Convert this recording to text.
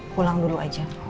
pulang dulu aja